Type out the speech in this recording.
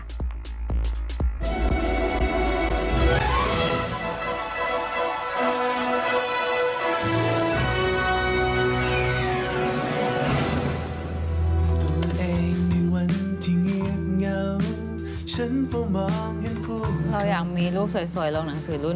เราอยากมีรูปสวยลงหนังสือรุ่น